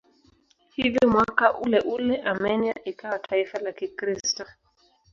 Hivyo mwaka uleule Armenia ikawa taifa la Kikristo.